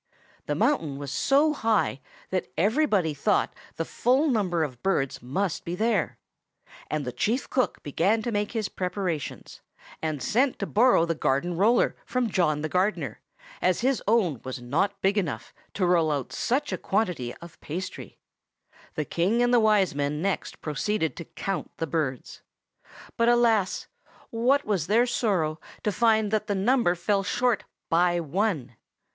The mountain was so high that everybody thought the full number of birds must be there; and the Chief Cook began to make his preparations, and sent to borrow the garden roller from John the gardener, as his own was not big enough to roll out such a quantity of paste. The King and the Wise Men next proceeded to count the birds. But alas! what was their sorrow to find that the number fell short by one!